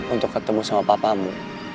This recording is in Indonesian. untuk ketemu sama papamu